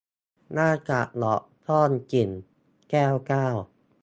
หน้ากากดอกซ่อนกลิ่น - แก้วเก้า